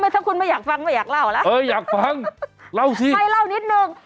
ถ้าคุณไม่อยากฟังไม่อยากเล่าแล้วเอออยากฟังเล่าสิให้เล่านิดนึง